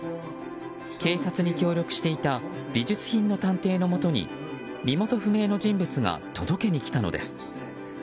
警察に協力していた美術品の探偵のもとに身元不明の人物が届けにきたのです。